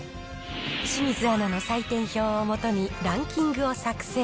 清水アナの採点表をもとに、ランキングを作成。